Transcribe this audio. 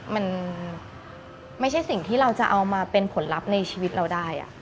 มันไม่ใช่สิ่งที่เราจะเอามาเป็นผลลัพธ์ในชีวิตเราได้